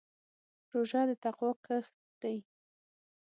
روژه د تقوا کښت دی.